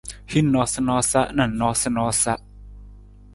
Hin noosanoosa na noosanoosa.